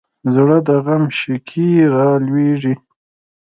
زړه د غم شګې رالوېږي.